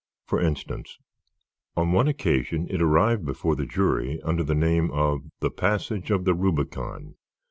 For instance, on one occasion it arrived before the jury under the name of the "Passage of the Rubicon!"